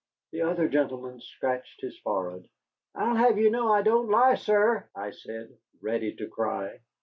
The other gentleman scratched his forehead. "I'll have you know I don't lie, sir," I said, ready to cry.